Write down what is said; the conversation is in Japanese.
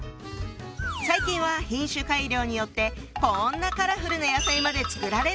最近は品種改良によってこんなカラフルな野菜まで作られるほどに。